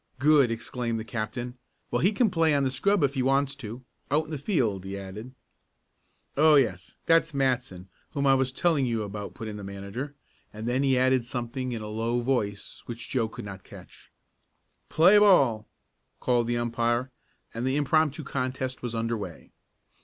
"Good!" exclaimed the captain. "Well, he can play on the scrub if he wants to. Out in the field," he added. "Oh, yes, that's Matson, whom I was telling you about," put in the manager, and then he added something in a low voice which Joe could not catch. "Play ball!" called the umpire, and the impromptu contest was underway.